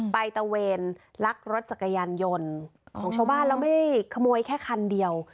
ตะเวนลักรถจักรยานยนต์ของชาวบ้านแล้วไม่ได้ขโมยแค่คันเดียว